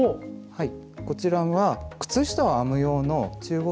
はい。